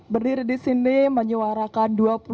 berdiri di sini menyuarakan